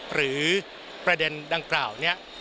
หรือประเด็นดังกล่าวนี้